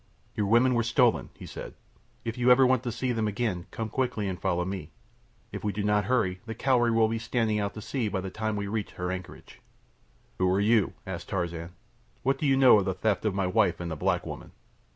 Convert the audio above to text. "Your women were stolen," he said. "If you want ever to see them again, come quickly and follow me. If we do not hurry the Cowrie will be standing out to sea by the time we reach her anchorage." "Who are you?" asked Tarzan. "What do you know of the theft of my wife and the black woman?"